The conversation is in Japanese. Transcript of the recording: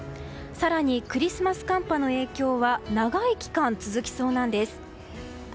更にクリスマス寒波の影響は長い期間、続きそうなんです。